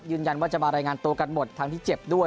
ยืนยันว่าจะมารายงานตัวกันหมดทั้งที่เจ็บด้วย